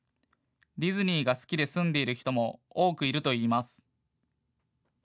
ディズニーが好きで住んでいる人も多くいるといいます。